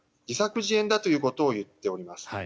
自作自演だということを言っております。